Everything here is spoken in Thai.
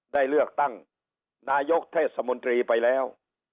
ได้เลือกตั้งนายกเทศมนตรีไปแล้ว